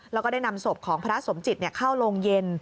แล้วก็ได้นำศพของพระสมจิตเข้าโรงเย็น